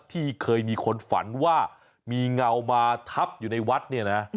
ที่เคยมีคนฝันว่ามีเงามาทับอยู่ในวัดเนี่ยนะ